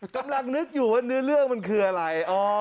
กำลังนึกอยู่ว่าเนื้อเรื่องมันคืออะไร